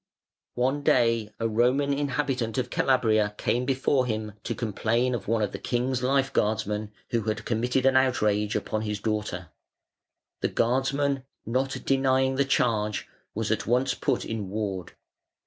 One day a Roman inhabitant of Calabria came before him to complain of one of the king's life guardsmen who had committed an outrage upon his daughter. The guardsman, not denying the charge, was at once put in ward.